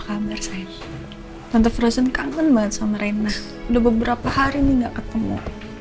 kabar saya tante frozen kangen banget sama rena udah beberapa hari nggak ketemu